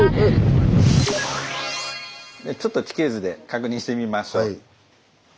ちょっと地形図で確認してみましょう。